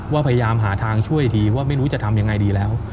พยายามหาทางช่วยทีว่าไม่รู้จะทำยังไงดีแล้ว